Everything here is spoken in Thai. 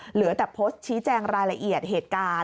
เหลือแต่โพสต์ชี้แจงรายละเอียดเหตุการณ์